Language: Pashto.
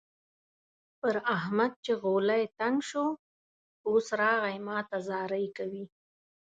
پر احمد چې غولی تنګ شو؛ اوس راغی ما ته زارۍ کوي.